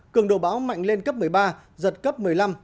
cường độ bão mạnh lên cấp một mươi ba giật cấp một mươi năm một mươi sáu